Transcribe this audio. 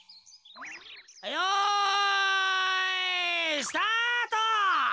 よいスタート！